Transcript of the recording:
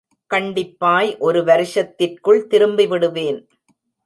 கண்டிப்பாய் ஒரு வருஷத்திற்குள் திரும்பிவிடுவேன்.